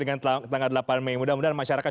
dengan tanggal delapan mei mudah mudahan masyarakat